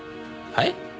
はい？